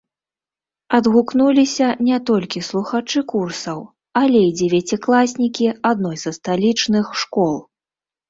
Адгукнуліся не толькі слухачы курсаў, але і дзевяцікласнікі адной са сталічных школ.